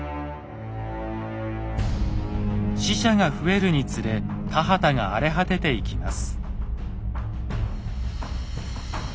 死者が増えるにつれ田畑が荒れ果てていきます。